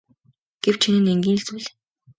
Гэвч энэ нь энгийн л зүйл.